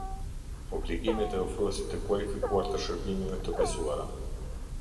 Obligimet e ofruesit të kualifikuar të shërbimeve të besuara.